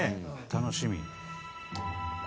楽しみ。